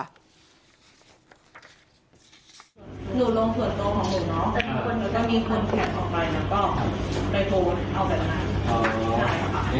มีเพศสัมพันธ์กันอยู่คือแท่หลังอยู่อย่างเดียวแล้วก็มันจะบอกว่ายังไงอ่ะ